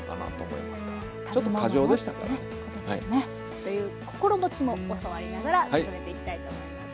という心持ちも教わりながら進めていきたいと思います。